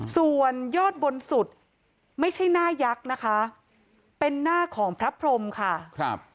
ส่วนยอดบนสุดไม่ใช่หน้ายักษ์นะคะเป็นหน้าของพระพรมค่ะครับ